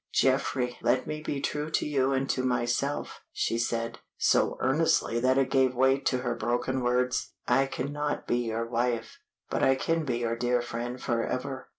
"Geoffrey, let me be true to you and to myself," she said, so earnestly that it gave weight to her broken words. "I cannot be your wife, but I can be your dear friend forever.